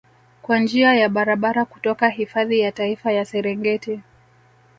kwa njia ya barabara kutoka hifadhi ya Taifa ya Serengeti